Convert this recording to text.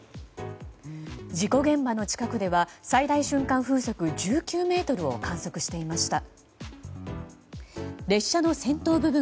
事故現場の近くでは最大瞬間風速１９メートルを観測していました。